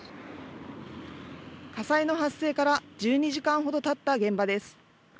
火災の発生から１２時間ほどたった現場です。